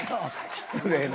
失礼な。